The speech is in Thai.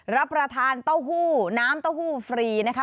รับประทานเต้าหู้น้ำเต้าหู้ฟรีนะคะ